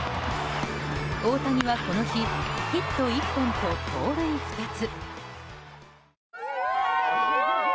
大谷はこの日ヒット１本と盗塁２つ。